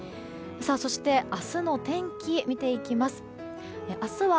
そして、明日の天気見ていきます。